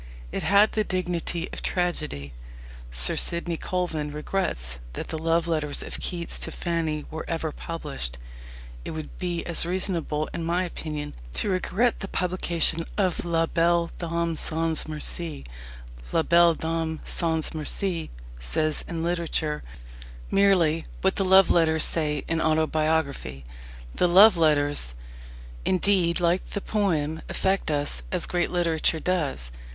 It had the dignity of tragedy. Sir Sidney Colvin regrets that the love letters of Keats to Fanny were ever published. It would be as reasonable, in my opinion, to regret the publication of La Belle Dame sans Merci. La Belle Dame sans Merci says in literature merely what the love letters say in autobiography. The love letters, indeed, like the poem, affect us as great literature does.